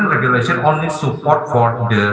regulasi saat ini hanya mendukung